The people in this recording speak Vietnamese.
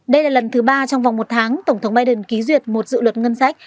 đây là lần thứ ba trong vòng một tháng tổng thống biden ký duyệt một dự luật ngân sách